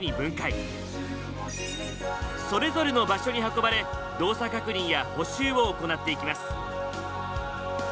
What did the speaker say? それぞれの場所に運ばれ動作確認や補修を行っていきます。